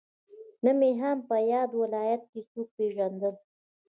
نه مې هم په ياد ولايت کې څوک پېژندل.